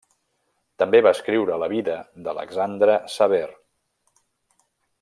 També va escriure la vida d'Alexandre Sever.